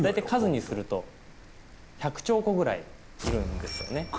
数にすると１００兆個ぐらいいるんですよね。